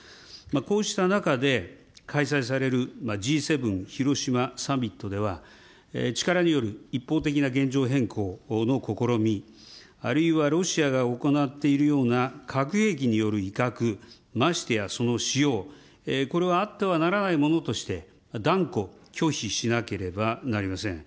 こうした中で開催されるＧ７広島サミットでは、力による一方的な現状変更による試みあるいはロシアが行っているような核兵器による威嚇、ましてやその使用、これはあってはならないものとして、断固拒否しなければなりません。